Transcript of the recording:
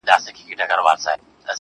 په رڼا كي يې پر زړه ځانمرگى وسي.